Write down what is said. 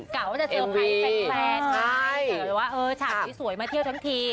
กล่าวว่าจะเซอร์ไพรส์แปลกแปลกใช่แต่ว่าเออฉากสวยสวยมาเที่ยวทั้งที